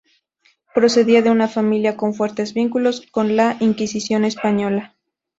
Procedía de una familia con fuertes vínculos con la Inquisición española.